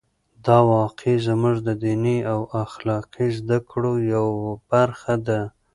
دا واقعه زموږ د دیني او اخلاقي زده کړو یوه برخه ده.